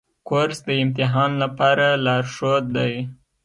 کورس د امتحان لپاره لارښود دی.